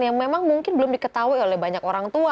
yang memang mungkin belum diketahui oleh banyak orang tua